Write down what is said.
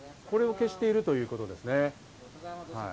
これを消しているということですね。